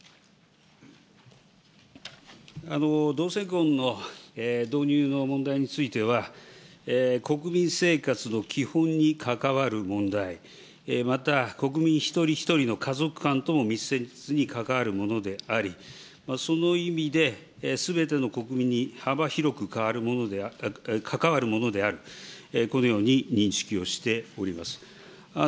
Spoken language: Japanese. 同性婚の導入の問題については、国民生活の基本に関わる問題、また国民一人一人の家族観とも密接に関わるものであり、その意味ですべての国民に幅広く関わるものである、このように認識をしております。